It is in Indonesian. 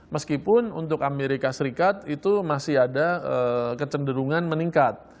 meskipun untuk amerika serikat itu masih ada kecenderungan meningkat